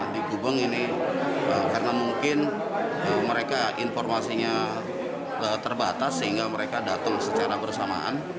di gubeng ini karena mungkin mereka informasinya terbatas sehingga mereka datang secara bersamaan